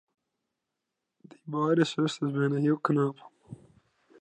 Dy beide susters binne heel knap.